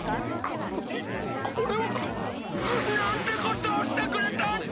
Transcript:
ここれは。なんてことをしてくれたんだ！